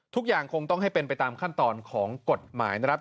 ทุกอย่างคงต้องให้เป็นไปตามขั้นตอนของกฎหมายนะครับ